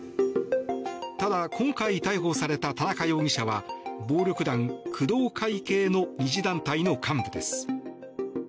ただ今回、逮捕された田中容疑者は暴力団工藤会系の２次団体の幹部です。